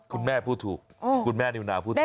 คุณแม่พูดถูกคุณแม่นิวนาวพูดถูก